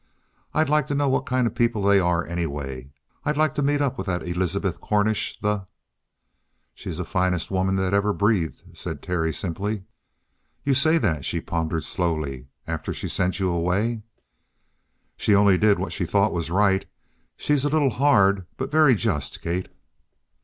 "I'd like to know what kind of people they are, anyway! I'd like to meet up with that Elizabeth Cornish, the " "She's the finest woman that ever breathed," said Terry simply. "You say that," she pondered slowly, "after she sent you away?" "She did only what she thought was right. She's a little hard, but very just, Kate."